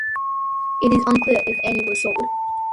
It is unclear if any were sold.